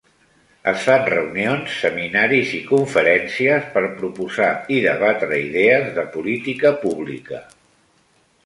Es fan reunions, seminaris i conferències per proposar i debatre idees de política pública.